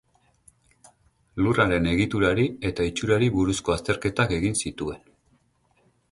Lurraren egiturari eta itxurari buruzko azterketak egin zituen.